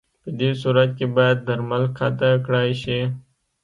پدې صورت کې باید درمل قطع کړای شي.